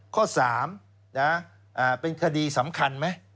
ข้อ๓เป็นคดีสำคัญไหม